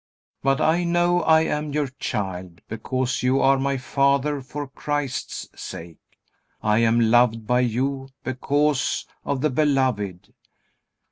But I know I am your child, because you are my Father for Christ's sake. I am loved by you because of the Beloved."